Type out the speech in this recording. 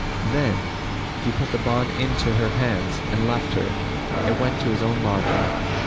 Then he put the bond into her hands and left her and went to his own lodging.